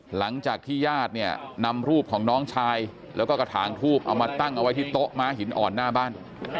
หลังจากที่ญาติเนี่ยนำรูปของน้องชายแล้วก็กระถางทูบเอามาตั้งเอาไว้ที่โต๊ะม้าหินอ่อนหน้าบ้าน